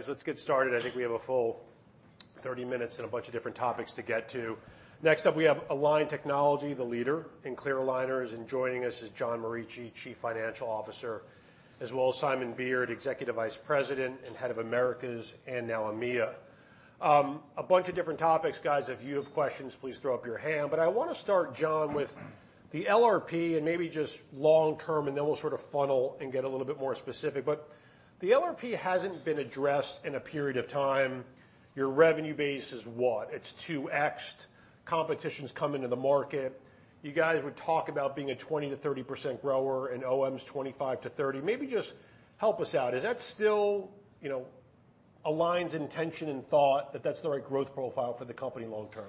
Guys, let's get started. I think we have a full 30 minutes and a bunch of different topics to get to. Next up, we have Align Technology, the leader in clear aligners, and joining us is John Morici, Chief Financial Officer, as well as Simon Beard, Executive Vice President and Head of Americas and now EMEA. A bunch of different topics, guys. If you have questions, please throw up your hand. I wanna start, John, with the LRP and maybe just long term, and then we'll sort of funnel and get a little bit more specific. The LRP hasn't been addressed in a period of time. Your revenue base is what? It's 2x'd. Competition's coming to the market. You guys would talk about being a 20%-30% grower and OM's 25%-30%. Maybe just help us out. Is that still, you know, Align's intention and thought, that that's the right growth profile for the company long term?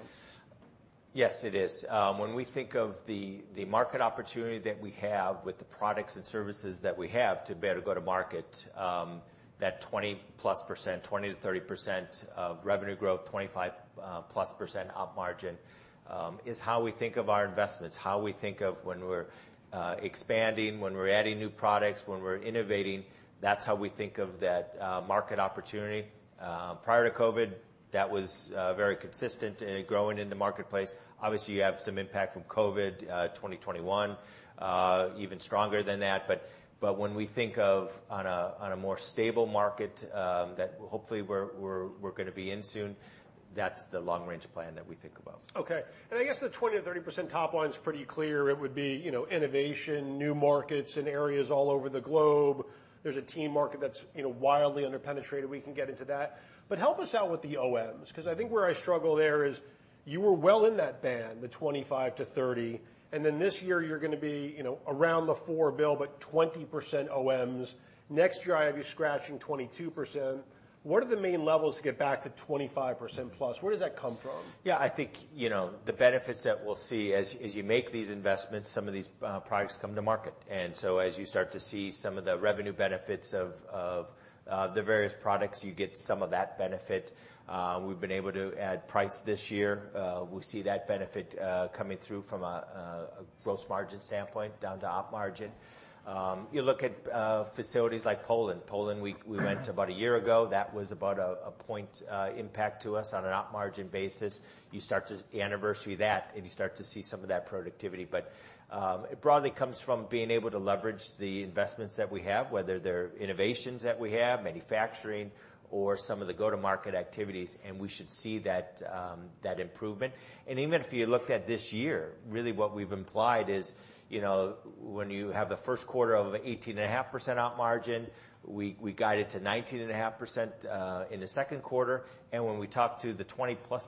Yes, it is. When we think of the market opportunity that we have with the products and services that we have to better go to market, that 20% plus 20%-30% of revenue growth, 25% plus of margin, is how we think of our investments, how we think of when we're expanding, when we're adding new products, when we're innovating. That's how we think of that market opportunity. Prior to COVID, that was very consistent in growing in the marketplace. Obviously, you have some impact from COVID, 2021, even stronger than that. When we think of on a more stable market that hopefully we're gonna be in soon, that's the long-range plan that we think about. Okay. I guess the 20%-30% top line is pretty clear. It would be, you know, innovation, new markets in areas all over the globe. There's a teen market that's, you know, wildly underpenetrated. We can get into that. Help us out with the OMs, 'cause I think where I struggle there is you were well in that band, the 25-30, and then this year you're gonna be, you know, around the $4 billion, but 20% OMs. Next year, I have you scratching 22%. What are the main levels to get back to 25% plus? Where does that come from? Yeah, I think, you know, the benefits that we'll see as you make these investments, some of these products come to market. As you start to see some of the revenue benefits of the various products, you get some of that benefit. We've been able to add price this year. We see that benefit coming through from a gross margin standpoint down to op margin. You look at facilities like Poland. We went about a year ago. That was about a point impact to us on an op margin basis. You start to anniversary that, and you start to see some of that productivity. It broadly comes from being able to leverage the investments that we have, whether they're innovations that we have, manufacturing, or some of the go-to-market activities, and we should see that improvement. Even if you looked at this year, really what we've implied is, you know, when you have the first quarter of 18.5% op margin, we guided to 19.5% in the second quarter. When we talk to the 20% plus,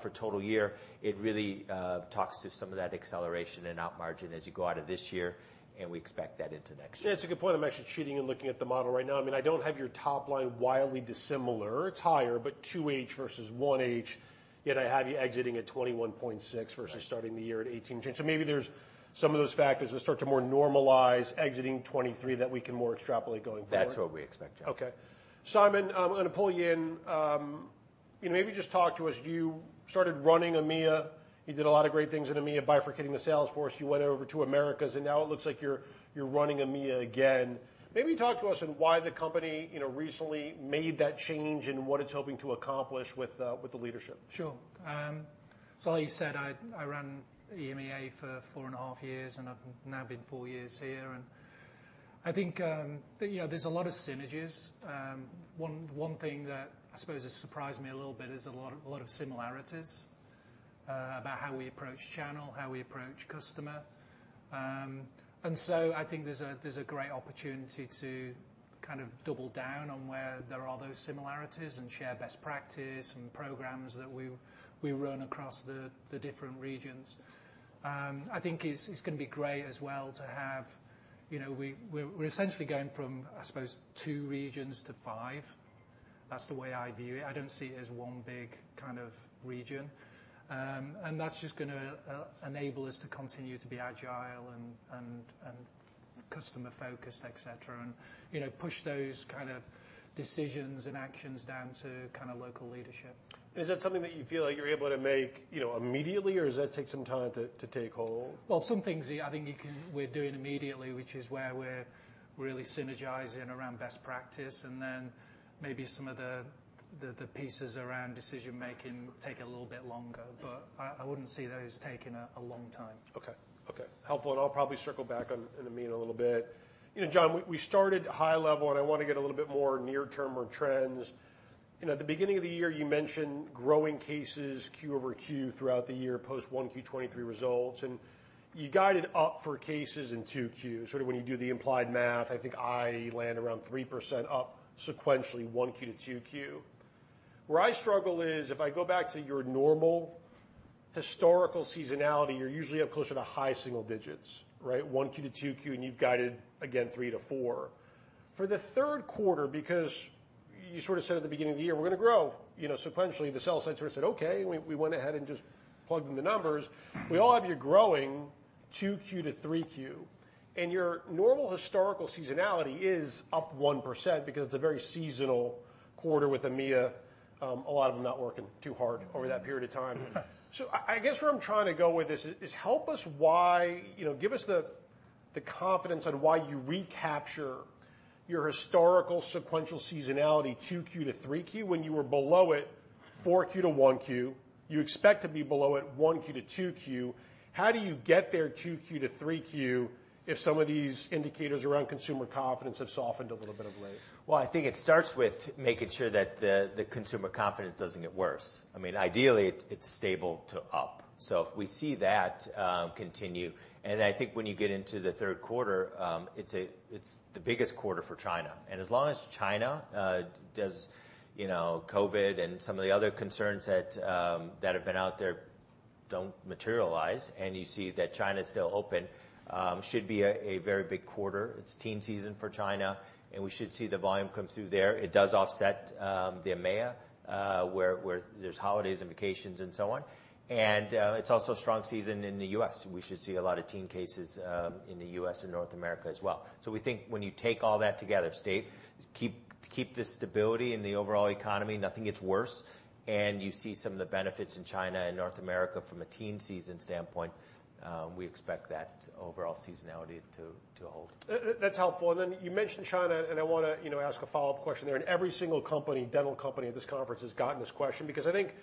for total year, it really talks to some of that acceleration and op margin as you go out of this year, and we expect that into next year. It's a good point. I'm actually cheating and looking at the model right now. I mean, I don't have your top line wildly dissimilar. It's higher, but 2H versus 1H, yet I have you exiting at 21.6 versus starting the year at 18. Right Maybe there's some of those factors that start to more normalize exiting 2023 that we can more extrapolate going forward. That's what we expect, yeah. Okay. Simon, I'm gonna pull you in. You know, maybe just talk to us. You started running EMEA. You did a lot of great things in EMEA, bifurcating the sales force. You went over to Americas, and now it looks like you're running EMEA again. Maybe talk to us on why the company, you know, recently made that change and what it's hoping to accomplish with the leadership? Sure. Like you said, I ran EMEA for four in a half years, I've now been four years here. I think, you know, there's a lot of synergies. One thing that I suppose has surprised me a little bit is a lot of similarities about how we approach channel, how we approach customer. I think there's a great opportunity to kind of double down on where there are those similarities and share best practice and programs that we run across the different regions. I think it's gonna be great as well to have, you know, we're essentially going from, I suppose, two regions to five. That's the way I view it. I don't see it as one big kind of region. That's just gonna enable us to continue to be agile and customer-focused, et cetera, and, you know, push those kind of decisions and actions down to kinda local leadership. Is that something that you feel like you're able to make, you know, immediately, or does that take some time to take hold? Some things, I think we're doing immediately, which is where we're really synergizing around best practice. Then maybe some of the pieces around decision-making take a little bit longer. I wouldn't see those taking a long time. Okay. Helpful. I'll probably circle back on EMEA in a little bit. You know, John, we started high level, and I wanna get a little bit more near-term or trends. You know, at the beginning of the year, you mentioned growing cases Q over Q throughout the year, post 1Q 2023 results, and you guided up for cases in 2Q. Sort of when you do the implied math, I think I land around 3% up sequentially, 1Q to 2Q. Where I struggle is, if I go back to your normal historical seasonality, you're usually up closer to high single digits, right? 1Q to 2Q. You've guided again, 3%-4%. For the third quarter, because you sort of said at the beginning of the year, "We're gonna grow," you know, sequentially, the sell side sort of said, "Okay," and we went ahead and just plugged in the numbers. We all have you growing 2Q to 3Q, and your normal historical seasonality is up 1% because it's a very seasonal quarter with EMEA, a lot of them not working too hard over that period of time. I guess where I'm trying to go with this is, help us why. You know, give us the confidence on why you recapture your historical sequential seasonality, 2Q to 3Q, when you were below it, 4Q to 1Q. You expect to be below it, 1Q to 2Q. How do you get there, 2Q to 3Q, if some of these indicators around consumer confidence have softened a little bit of late? Well, I think it starts with making sure that the consumer confidence doesn't get worse. I mean, ideally, it's stable to up. If we see that continue. I think when you get into the third quarter, it's the biggest quarter for China. As long as China does, you know, COVID and some of the other concerns that have been out there don't materialize, and you see that China is still open, should be a very big quarter. It's teen season for China, and we should see the volume come through there. It does offset the EMEA, where there's holidays and vacations and so on. It's also a strong season in the U.S. We should see a lot of teen cases in the U.S. and North America as well. We think when you take all that together, keep the stability in the overall economy, nothing gets worse, and you see some of the benefits in China and North America from a teen season standpoint, we expect that overall seasonality to hold. That's helpful. Then you mentioned China, I wanna, you know, ask a follow-up question there. Every single company, dental company at this conference has gotten this question because I think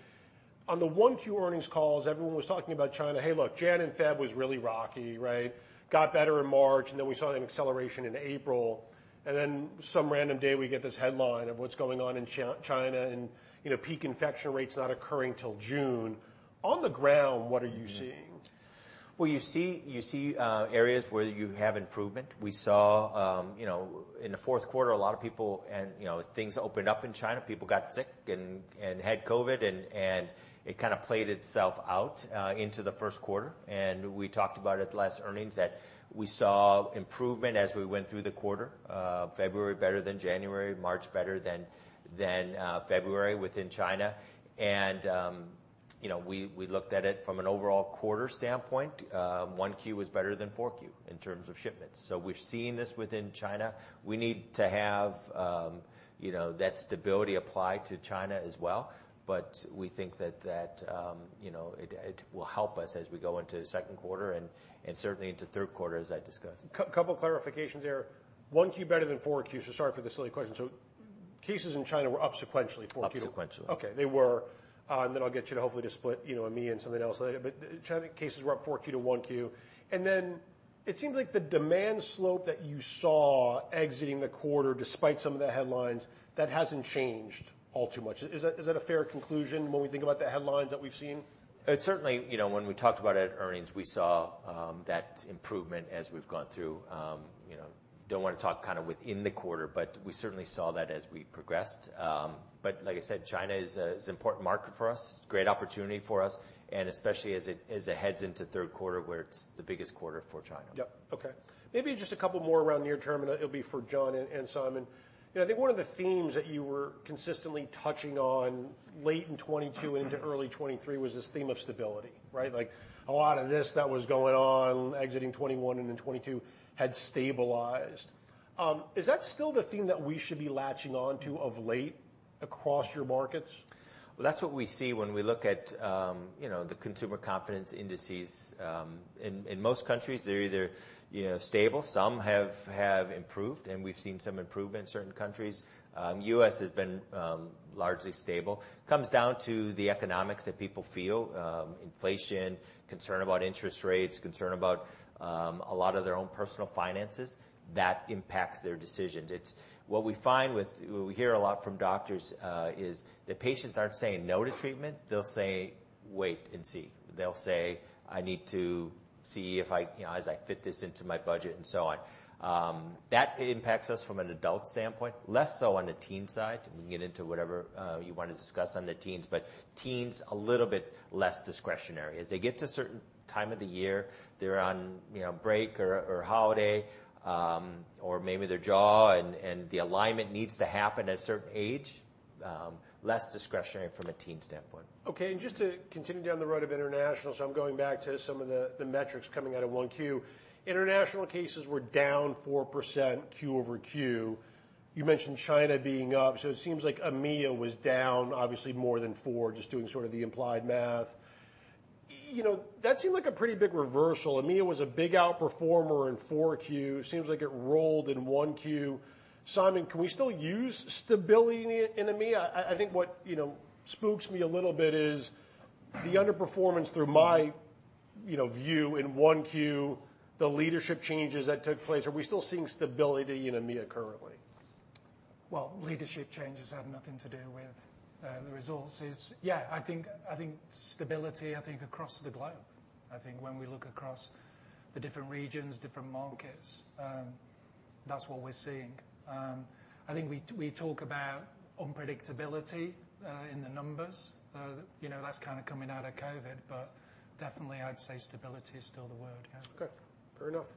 on the 1Q earnings calls, everyone was talking about China. "Hey, look, January and February was really rocky, right? Got better in March, and then we saw an acceleration in April." Then some random day, we get this headline of what's going on in China and, you know, peak infection rates not occurring till June. On the ground, what are you seeing? Well, you see areas where you have improvement. We saw, you know, in the fourth quarter, a lot of people and, you know, things opened up in China. People got sick and had COVID and it kinda played itself out into the first quarter. We talked about it last earnings, that we saw improvement as we went through the quarter. February, better than January, March, better than February within China. You know, we looked at it from an overall quarter standpoint. 1Q was better than 4Q in terms of shipments. We're seeing this within China. We need to have, you know, that stability applied to China as well. We think that, you know, it will help us as we go into the second quarter and certainly into third quarter, as I discussed. Couple clarifications there. 1Q better than 4Q. Sorry for the silly question. Cases in China were up sequentially, 4Q? Up sequentially. Okay, they were. I'll get you to hopefully to split, you know, me and something else later. China cases were up 4Q to 1Q. It seems like the demand slope that you saw exiting the quarter, despite some of the headlines, that hasn't changed all too much. Is that a fair conclusion when we think about the headlines that we've seen? It certainly. You know, when we talked about at earnings, we saw that improvement as we've gone through. You know, don't wanna talk kinda within the quarter, but we certainly saw that as we progressed. Like I said, China is an important market for us, great opportunity for us, and especially as it heads into third quarter, where it's the biggest quarter for China. Yep. Okay. Maybe just a couple more around near term, and it'll be for John and Simon. You know, I think one of the themes that you were consistently touching on late in 2022 and into early 2023 was this theme of stability, right? Like, a lot of this that was going on, exiting 2021 and then 2022 had stabilized. Is that still the theme that we should be latching on to of late across your markets? That's what we see when we look at, you know, the consumer confidence indices. In most countries, they're either, you know, stable. Some have improved, we've seen some improvement in certain countries. U.S. has been largely stable. Comes down to the economics that people feel, inflation, concern about interest rates, concern about a lot of their own personal finances, that impacts their decisions. We hear a lot from doctors, is that patients aren't saying no to treatment. They'll say, "Wait and see." They'll say, "I need to see if I, you know, as I fit this into my budget," and so on. That impacts us from an adult standpoint, less so on the teen side. We can get into whatever, you want to discuss on the teens, but teens, a little bit less discretionary. As they get to a certain time of the year, they're on, you know, break or holiday, or maybe their jaw and the alignment needs to happen at a certain age, less discretionary from a teen standpoint. Okay, just to continue down the road of international, I'm going back to some of the metrics coming out of 1Q. International cases were down 4%, Q over Q. You mentioned China being up, it seems like EMEA was down obviously more than four, just doing sort of the implied math. You know, that seemed like a pretty big reversal. EMEA was a big outperformer in 4Q. Seems like it rolled in 1Q. Simon, can we still use stability in EMEA? I think what, you know, spooks me a little bit is the underperformance through my, you know, view in 1Q, the leadership changes that took place. Are we still seeing stability in EMEA currently? Well, leadership changes have nothing to do with the results. Yeah, I think, I think stability, I think, across the globe. I think when we look across the different regions, different markets, that's what we're seeing. I think we talk about unpredictability in the numbers. You know, that's kind of coming out of COVID, but definitely I'd say stability is still the word. Yeah. Okay, fair enough.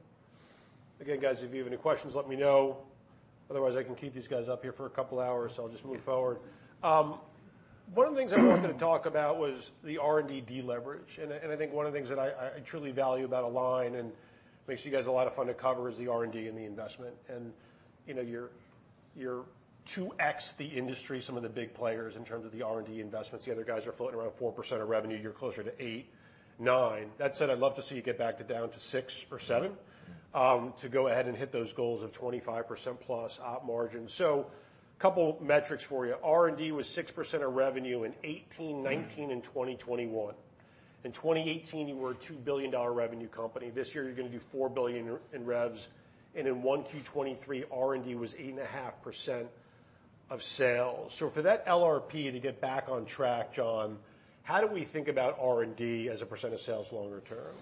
Again, guys, if you have any questions, let me know. Otherwise, I can keep these guys up here for a couple of hours, so I'll just move forward. One of the things I wanted to talk about was the R&D deleverage, and I think one of the things that I truly value about Align, and makes you guys a lot of fun to cover, is the R&D and the investment. You know, you're 2x the industry, some of the big players, in terms of the R&D investments. The other guys are floating around 4% of revenue. You're closer to 8%, 9%. That said, I'd love to see you get back to down to 6% or 7% to go ahead and hit those goals of 25% plus op margin. A couple metrics for you. R&D was 6% of revenue in 2018, 2019, and 2021. In 2018, you were a $2 billion revenue company. This year, you're gonna do $4 billion in revs, and in 1Q 2023, R&D was 8.5% of sales. For that LRP to get back on track, John, how do we think about R&D as a percent of sales longer term?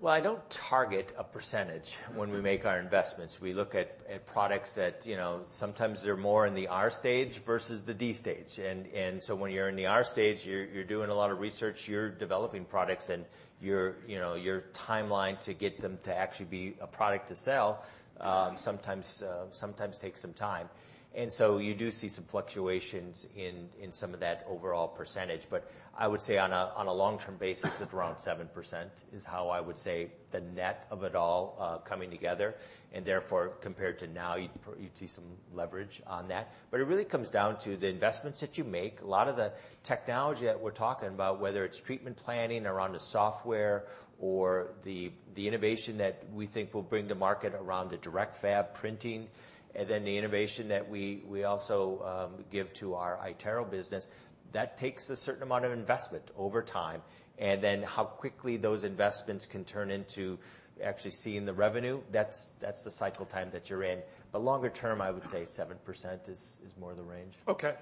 Well, I don't target a percentage when we make our investments. We look at products that, you know, sometimes they're more in the R stage versus the D stage. When you're in the R stage, you're doing a lot of research, you're developing products, and your, you know, your timeline to get them to actually be a product to sell, sometimes takes some time. You do see some fluctuations in some of that overall percentage. I would say on a long-term basis, it's around 7%, is how I would say the net of it all coming together, and therefore, compared to now, you'd see some leverage on that. It really comes down to the investments that you make. A lot of the technology that we're talking about, whether it's treatment planning around the software or the innovation that we think will bring to market around the direct fabrication printing, and then the innovation that we also give to our iTero business, that takes a certain amount of investment over time, and then how quickly those investments can turn into actually seeing the revenue, that's the cycle time that you're in. Longer term, I would say 7% is more the range. Okay,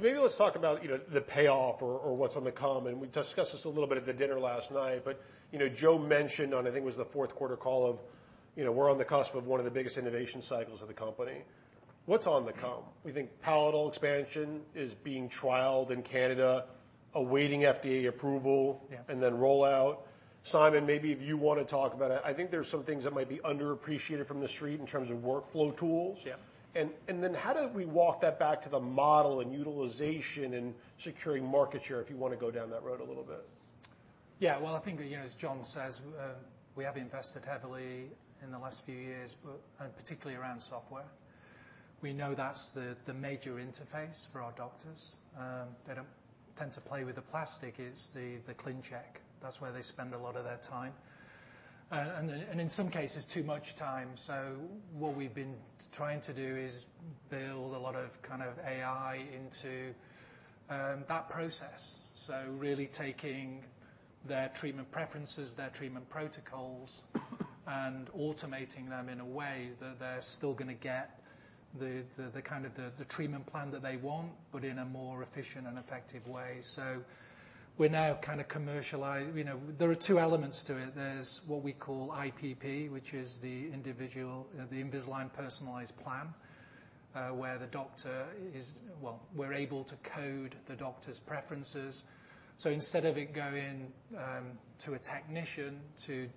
maybe let's talk about, you know, the payoff or what's on the come. We discussed this a little bit at the dinner last night, but, you know, Joe mentioned on, I think it was the fourth quarter call of, you know, we're on the cusp of one of the biggest innovation cycles of the company. What's on the come? We think palatal expansion is being trialed in Canada, awaiting FDA approval. Yeah. Rollout. Simon, maybe if you want to talk about it. I think there's some things that might be underappreciated from the street in terms of workflow tools. Yeah. How do we walk that back to the model and utilization and securing market share, if you want to go down that road a little bit? Well, I think, you know, as John says, we have invested heavily in the last few years. Particularly around software. We know that's the major interface for our doctors. They don't tend to play with the plastic, it's the ClinCheck. That's where they spend a lot of their time, and in some cases, too much time. What we've been trying to do is build a lot of kind of AI into that process. Really taking their treatment preferences, their treatment protocols, and automating them in a way that they're still gonna get the kind of the treatment plan that they want, but in a more efficient and effective way. We're now kind of commercializing. You know, there are two elements to it. There's what we call IPP, which is the individual, the Invisalign Personalized Plan, where well, we're able to code the doctor's preferences. Instead of it going to a technician to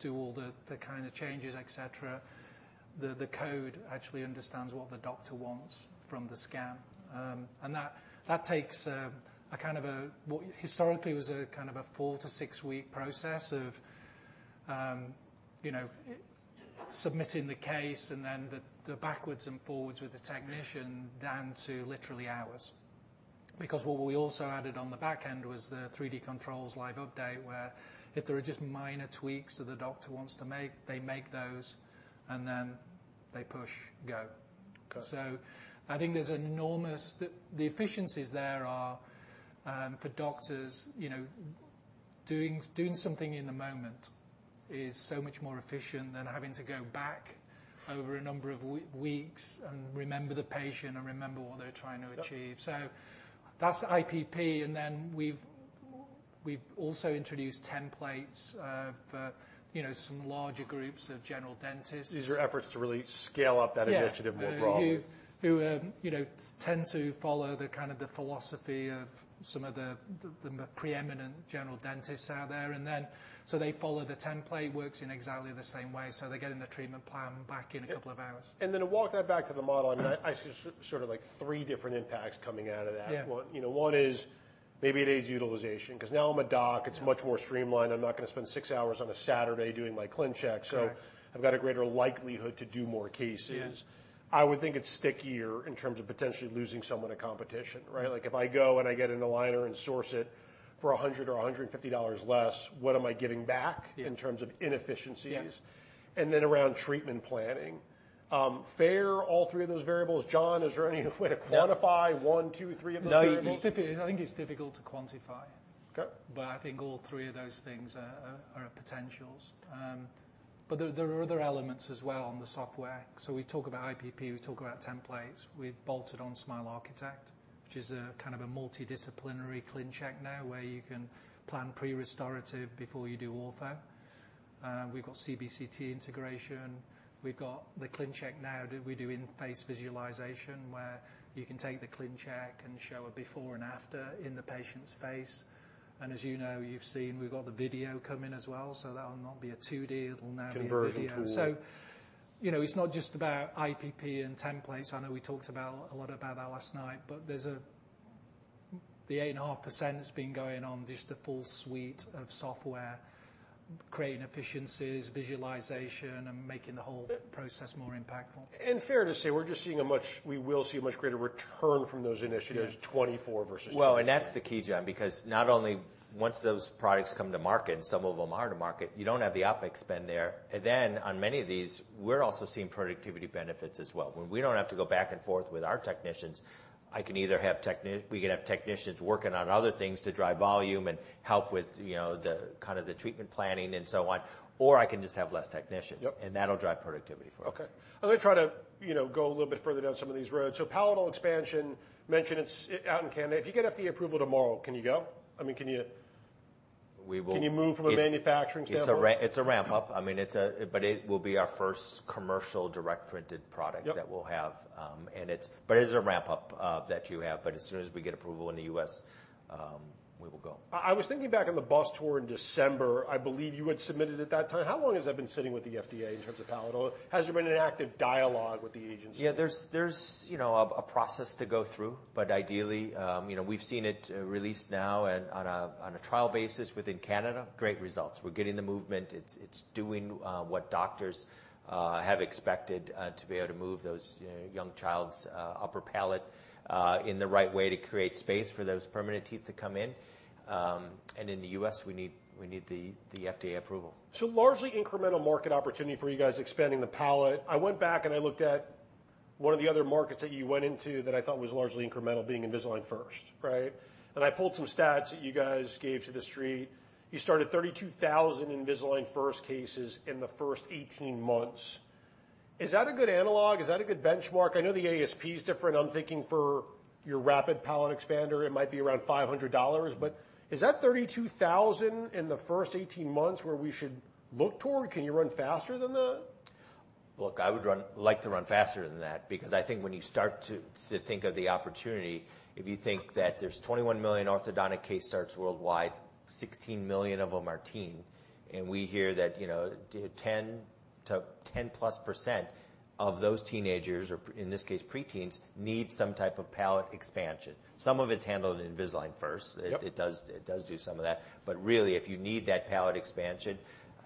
do all the kind of changes, et cetera, the code actually understands what the doctor wants from the scan. That, that takes a kind of a, what historically was a kind of a four-to-six-week process of you know, submitting the case and then the backwards and forwards with the technician down to literally hours. What we also added on the back end was the 3D Controls Live Update, where if there are just minor tweaks that the doctor wants to make, they make those, and then they push Go. Got it. I think the efficiencies there are, for doctors, you know, doing something in the moment is so much more efficient than having to go back over a number of weeks and remember the patient and remember what they're trying to achieve. Yep. That's the IPP, and then we've also introduced templates, for, you know, some larger groups of general dentists. These are efforts to really scale up that initiative more broadly. Yeah, who, you know, tend to follow the kind of the philosophy of some of the preeminent general dentists out there. They follow the template, works in exactly the same way, so they're getting the treatment plan back in a couple of hours. Yeah. To walk that back to the model, I mean, I see sort of, like, three different impacts coming out of that. Yeah. One, you know, one is maybe it aids utilization, 'cause now I'm a doc, it's much more streamlined. I'm not gonna spend six hours on a Saturday doing my ClinCheck. Correct. I've got a greater likelihood to do more cases. Yeah. I would think it's stickier in terms of potentially losing someone to competition, right? Like, if I go and I get an aligner and source it for $100 or $150 less, what am I getting back. Yeah In terms of inefficiencies? Yeah. Around treatment planning. Fair, all three of those variables? John, is there any way to quantify one, two, three of those variables? No. I think it's difficult to quantify. Okay. I think all three of those things are potentials. There are other elements as well on the software. We talk about IPP, we talk about templates. We've bolted on Smile Architect, which is a kind of a multidisciplinary ClinCheck now, where you can plan pre-restorative before you do ortho. We've got CBCT integration. We've got the ClinCheck now that we do In-Face Visualization, where you can take the ClinCheck and show a before and after in the patient's face. As you know, you've seen, we've got the video coming as well, so that'll not be a 2D, it'll now be a video. Conversion tool. You know, it's not just about IPP and templates. I know we talked about a lot about that last night, but there's a The 8.5% has been going on just the full suite of software, creating efficiencies, visualization, and making the whole process more impactful. Fair to say, we will see a much greater return from those initiatives, 2024 versus. That's the key, John, because not only once those products come to market, and some of them are to market, you don't have the OpEx spend there. On many of these, we're also seeing productivity benefits as well. When we don't have to go back and forth with our technicians, I can either have technicians working on other things to drive volume and help with, you know, the kind of the treatment planning and so on, or I can just have less technicians. Yep. That'll drive productivity for us. Okay. I'm gonna try to, you know, go a little bit further down some of these roads. Palatal expansion mentioned it's out in Canada. If you get FDA approval tomorrow, can you go? I mean, We will. Can you move from a manufacturing standpoint? It's a ramp-up. I mean, it will be our first commercial direct printed product. Yep That we'll have. It is a ramp-up that you have. As soon as we get approval in the U.S., we will go. I was thinking back on the bus tour in December. I believe you had submitted at that time. How long has that been sitting with the FDA in terms of palatal? Has there been an active dialogue with the agency? Yeah, there's, you know, a process to go through, but ideally, you know, we've seen it released now and on a trial basis within Canada, great results. We're getting the movement. It's doing what doctors have expected to be able to move those young child's upper palate in the right way to create space for those permanent teeth to come in. In the U.S., we need the FDA approval. Largely incremental market opportunity for you guys expanding the palate. I went back and I looked at one of the other markets that you went into that I thought was largely incremental, being Invisalign First, right? And I pulled some stats that you guys gave to the street. You started 32,000 Invisalign First cases in the first 18 months. Is that a good analog? Is that a good benchmark? I know the ASP is different. I'm thinking for your Invisalign Palatal Expander, it might be around $500, but is that 32,000 in the first 18 months where we should look toward? Can you run faster than that? Look, I would like to run faster than that because I think when you start to think of the opportunity, if you think that there's 21 million orthodontic case starts worldwide, 16 million of them are teen, we hear that, you know, 10%-10% plus of those teenagers, or in this case, pre-teens, need some type of palatal expansion. Some of it's handled in Invisalign First. Yep. It does do some of that. Really, if you need that palatal expansion,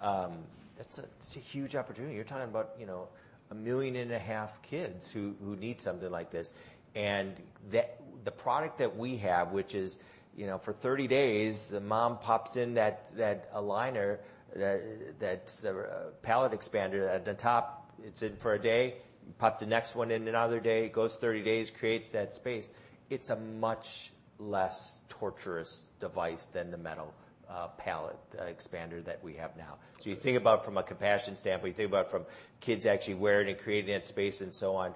that's a, it's a huge opportunity. You're talking about, you know, 1.5 million kids who need something like this. The product that we have, which is, you know, for 30 days, the mom pops in that aligner, that palatal expander at the top, it's in for one day, pop the next one in another day, it goes 30 days, creates that space. It's a much less torturous device than the metal, palatal expander that we have now. Yeah. You think about from a compassion standpoint, you think about from kids actually wearing it and creating that space and so on,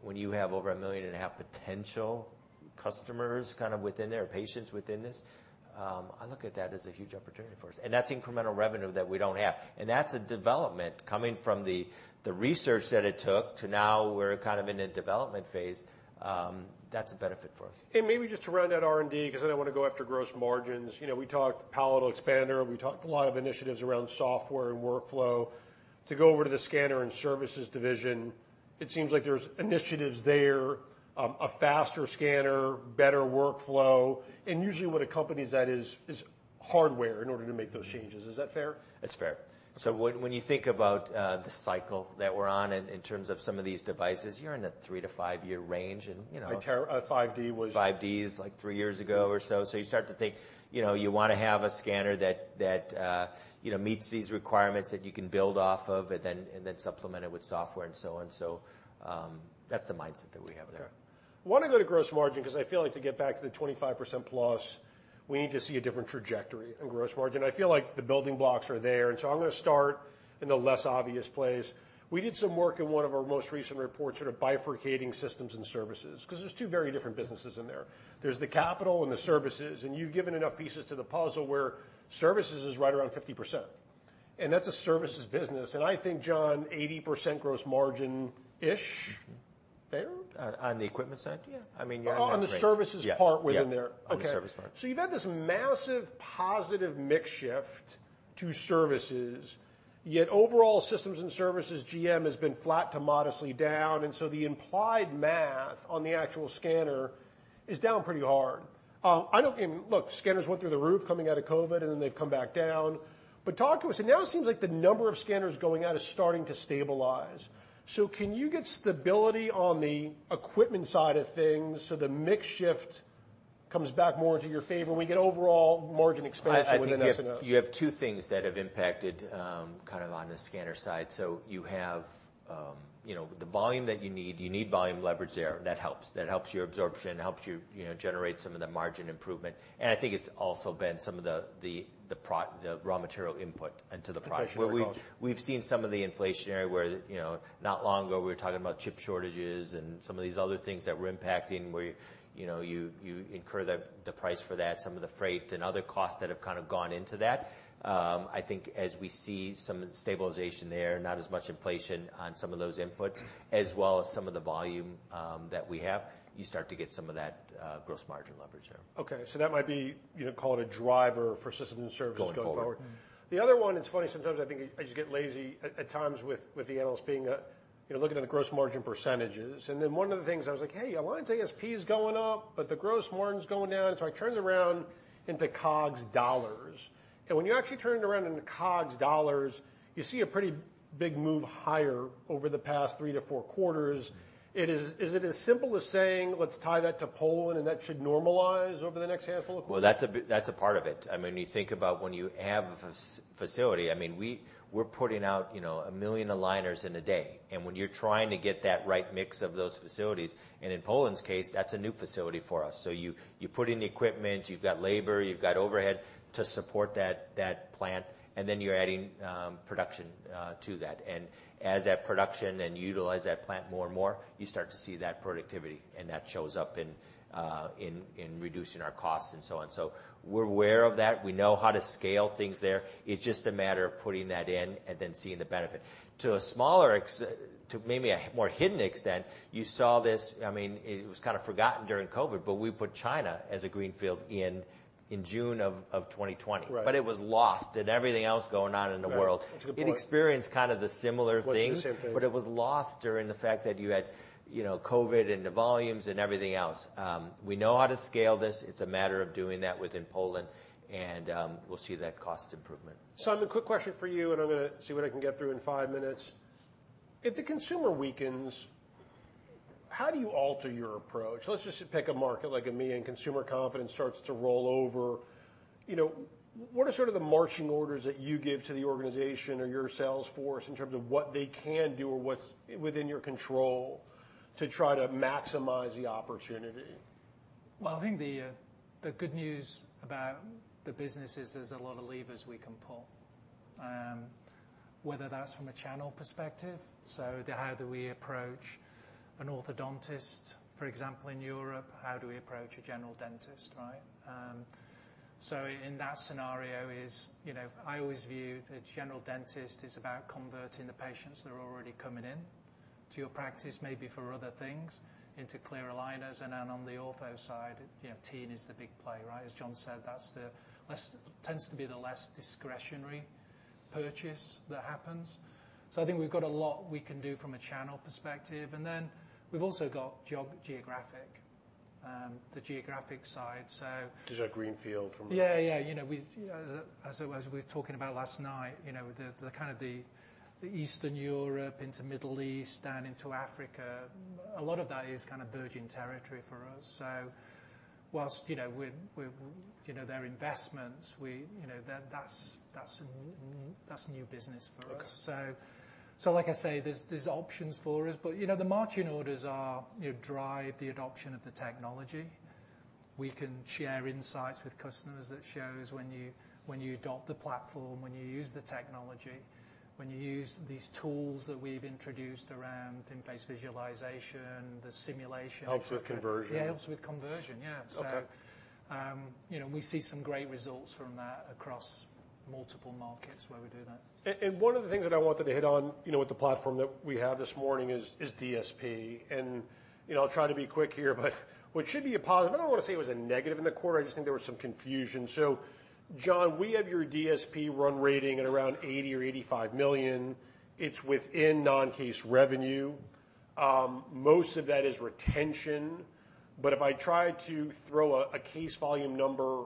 when you have over 1.5 million potential customers kind of within there, patients within this, I look at that as a huge opportunity for us, and that's incremental revenue that we don't have. That's a development coming from the research that it took to now we're kind of in a development phase. That's a benefit for us. Maybe just to run that R&D, because then I want to go after gross margins. You know, we talked palatal expander, we talked a lot of initiatives around software and workflow. To go over to the scanner and services division, it seems like there's initiatives there, a faster scanner, better workflow, and usually what accompanies that is hardware in order to make those changes. Is that fair? It's fair. When you think about the cycle that we're on in terms of some of these devices, you're in a three to five-year range, and you know. A 5D. 5D is like three years ago or so. You start to think, you know, you wanna have a scanner that, you know, meets these requirements, that you can build off of, and then supplement it with software and so on. That's the mindset that we have there. I wanna go to gross margin because I feel like to get back to the 25% plus, we need to see a different trajectory in gross margin. I feel like the building blocks are there, and so I'm gonna start in the less obvious place. We did some work in one of our most recent reports, sort of bifurcating systems and services, 'cause there's two very different businesses in there. There's the capital and the services, and you've given enough pieces to the puzzle where services is right around 50%, and that's a services business. I think, John, 80% gross margin-ish, fair? On the equipment side? Yeah. I mean. On the services part. Yeah Within there. Yeah. Okay. The service part. You've had this massive positive mix shift to services, yet overall, systems and services GM has been flat to modestly down. The implied math on the actual scanner is down pretty hard. Look, scanners went through the roof coming out of COVID, and then they've come back down. Talk to us, and now it seems like the number of scanners going out is starting to stabilize. Can you get stability on the equipment side of things, so the mix shift comes back more into your favor, and we get overall margin expansion within S&S? I think you have two things that have impacted, kind of on the scanner side. You have, you know, the volume that you need. You need volume leverage there. That helps. That helps your absorption, helps you know, generate some of the margin improvement. I think it's also been some of the raw material input into the product. Inflation costs. We've seen some of the inflationary where, you know, not long ago, we were talking about chip shortages and some of these other things that were impacting where, you know, you incur the price for that, some of the freight and other costs that have kind of gone into that. I think as we see some stabilization there, not as much inflation on some of those inputs, as well as some of the volume that we have, you start to get some of that gross margin leverage there. Okay, that might be, you know, call it a driver for systems and services going forward. Going forward. The other one, it's funny, sometimes I think I just get lazy at times with the analysts being, you know, looking at the gross margin percentages. One of the things I was like, Hey, Align's ASP is going up, but the gross margin is going down. I turned around into COGS dollars. When you actually turn it around into COGS dollars, you see a pretty big move higher over the past three to four quarters. Is it as simple as saying, let's tie that to Poland, and that should normalize? Well, that's a part of it. I mean, you think about when you have a facility, I mean, we're putting out, you know, a million aligners in a day. When you're trying to get that right mix of those facilities, and in Poland's case, that's a new facility for us. You put in the equipment, you've got labor, you've got overhead to support that plant, and then you're adding production to that. As that production and utilize that plant more and more, you start to see that productivity, and that shows up in reducing our costs and so on. We're aware of that. We know how to scale things there. It's just a matter of putting that in and then seeing the benefit. To maybe a more hidden extent, you saw this, I mean, it was kind of forgotten during COVID, but we put China as a greenfield in June of 2020. Right. It was lost in everything else going on in the world. Right. That's a good point. It experienced kind of the similar things. Was the same thing. It was lost during the fact that you had, you know, COVID and the volumes and everything else. We know how to scale this. It's a matter of doing that within Poland, and we'll see that cost improvement. Simon, quick question for you, and I'm gonna see what I can get through in five minutes. If the consumer weakens, how do you alter your approach? Let's just pick a market like EMEA, and consumer confidence starts to roll over. You know, what are sort of the marching orders that you give to the organization or your sales force in terms of what they can do or what's within your control to try to maximize the opportunity? Well, I think the good news about the business is there's a lot of levers we can pull. Whether that's from a channel perspective, so the how do we approach an orthodontist, for example, in Europe? How do we approach a general dentist, right? In that scenario is, you know, I always view the general dentist is about converting the patients that are already coming in, to your practice, maybe for other things, into clear aligners. On the ortho side, you know, teen is the big play, right? As John said, that's tends to be the less discretionary purchase that happens. I think we've got a lot we can do from a channel perspective, and then we've also got geographic, the geographic side. These are greenfield. Yeah, yeah. You know, we, as we were talking about last night, you know, the kind of the Eastern Europe into Middle East and into Africa, a lot of that is kind of virgin territory for us. Whilst, you know, we're, you know, they're investments, we, you know, that's, that's new business for us. Okay. Like I say, there's options for us, but, you know, the marching orders are, you drive the adoption of the technology. We can share insights with customers that shows when you adopt the platform, when you use the technology, when you use these tools that we've introduced around In-Face Visualization, the simulation. Helps with conversion. Yeah, helps with conversion, yeah. Okay. You know, we see some great results from that across multiple markets where we do that. One of the things that I wanted to hit on, you know, with the platform that we have this morning is DSP. You know, I'll try to be quick here, but what should be a positive, I don't want to say it was a negative in the quarter, I just think there was some confusion. John, we have your DSP run rating at around $80 million or $85 million. It's within non-case revenue. Most of that is retention. If I try to throw a case volume number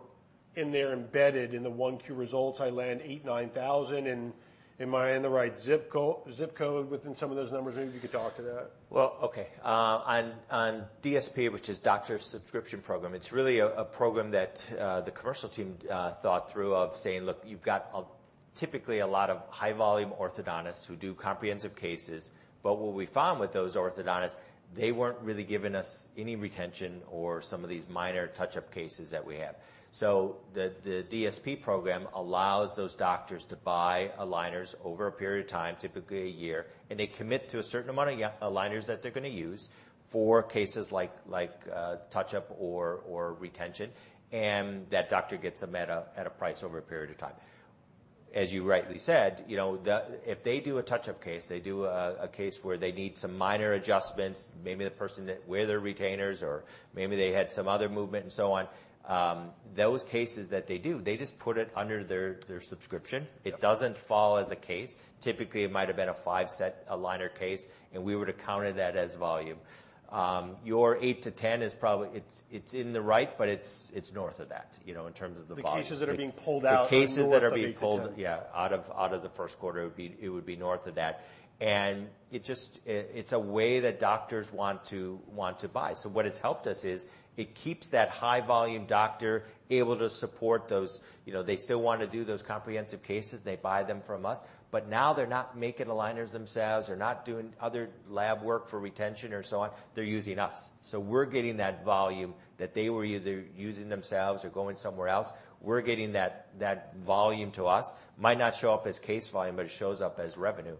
in there embedded in the 1Q results, I land 8,000, 9,000. Am I in the right zip code within some of those numbers? Maybe you could talk to that. Well, okay. On DSP, which is Doctor Subscription Program, it's really a program that the commercial team thought through of saying: "Look, you've got a typically a lot of high-volume orthodontists who do comprehensive cases." What we found with those orthodontists, they weren't really giving us any retention or some of these minor touch-up cases that we have. The DSP program allows those doctors to buy aligners over a period of time, typically a year, and they commit to a certain amount of aligners that they're going to use for cases like touch-up or retention, and that doctor gets them at a price over a period of time. As you rightly said, you know, if they do a touch-up case, they do a case where they need some minor adjustments, maybe the person didn't wear their retainers, or maybe they had some other movement, and so on. Those cases that they do, they just put it under their subscription. Yeah. It doesn't fall as a case. Typically, it might have been a five-set aligner case, and we would have counted that as volume. Your eight to 10 is probably it's in the right, but it's north of that, you know, in terms of the volume. The cases that are being pulled out. The cases that are being pulled. Are north of 8-10. Yeah, out of the first quarter, it would be north of that. It's a way that doctors want to buy. What it's helped us is, it keeps that high-volume doctor able to support those, you know, they still want to do those comprehensive cases, they buy them from us, but now they're not making aligners themselves, they're not doing other lab work for retention or so on. They're using us. We're getting that volume that they were either using themselves or going somewhere else. We're getting that volume to us. Might not show up as case volume, but it shows up as revenue.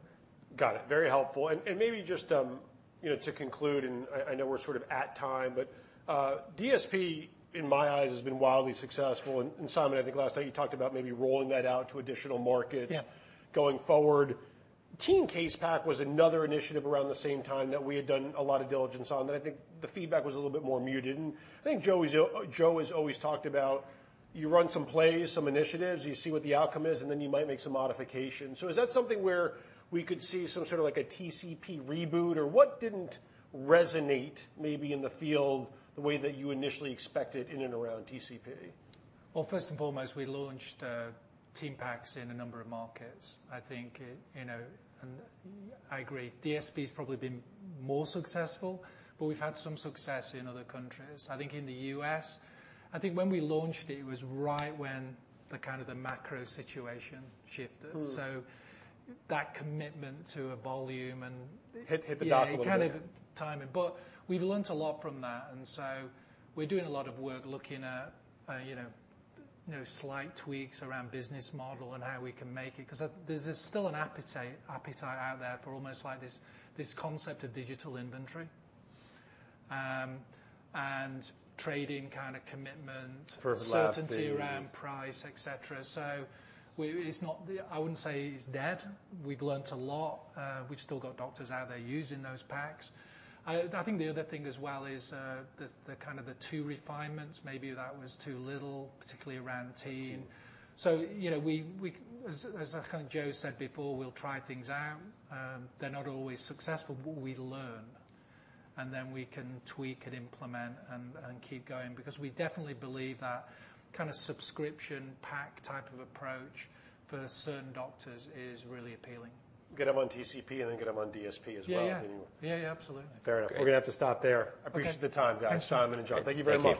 Got it. Very helpful. Maybe just, you know, to conclude, and I know we're sort of at time, but DSP, in my eyes, has been wildly successful. Simon, I think last night you talked about maybe rolling that out to additional markets. Yeah Going forward. Teen Case Pack was another initiative around the same time that we had done a lot of diligence on, I think the feedback was a little bit more muted. I think Joe has always talked about, you run some plays, some initiatives, you see what the outcome is, then you might make some modifications. Is that something where we could see some sort of like a TCP reboot, or what didn't resonate maybe in the field the way that you initially expected in and around TCP? Well, first and foremost, we launched Teen Packs in a number of markets. I think, you know, I agree, DSP's probably been more successful, but we've had some success in other countries. I think in the U.S., I think when we launched it was right when the kind of the macro situation shifted. Mm. That commitment to a volume. Hit the dock a little bit. Yeah, kind of timing. We've learned a lot from that, and so we're doing a lot of work looking at, you know, slight tweaks around business model and how we can make it, 'cause there's still an appetite out there for almost like this concept of digital inventory and trading kind of commitment. For the last thing. Certainty around price, et cetera. It's not the, I wouldn't say it's dead. We've learned a lot. We've still got doctors out there using those packs. I think the other thing as well is the kind of the two refinements, maybe that was too little, particularly around teen. Teen. You know, we, as kind of Joe said before, we'll try things out. They're not always successful, but we learn, and then we can tweak and implement and keep going, because we definitely believe that kind of subscription pack type of approach for certain doctors is really appealing. Get them on TCP and then get them on DSP as well. Yeah, yeah. Yeah, yeah, absolutely. Fair enough. It's great. We're gonna have to stop there. Okay. I appreciate the time, guys. Thanks. Simon and John, thank you very much.